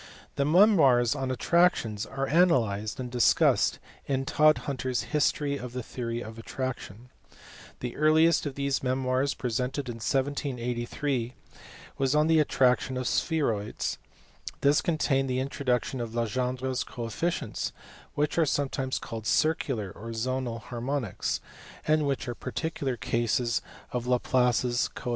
The memoirs on attractions are analyzed and discussed in Tod hunter s History of tJie Theories of Attraction. The earliest of these memoirs, presented in 1783, was on the attraction of spheroids. This contains the introduction of Legendre s coefficients, which are sometimes called circular (or zonal) harmonics, and which are particular casos of Laplace s co 428 LAGRANGE, LAPLACE, AND THEIR CONTEMPORARIES.